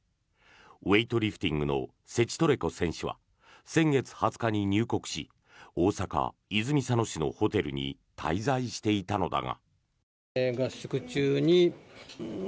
ウエイトリフティングのセチトレコ選手は先月２０日に入国し大阪・泉佐野市のホテルに滞在していたのだが。